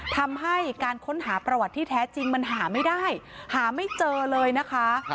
ทำให้การค้นหาประวัติที่แท้จริงมันหาไม่ได้หาไม่เจอเลยนะคะ